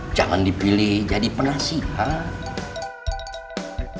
saya jangan dipilih jadi penasehat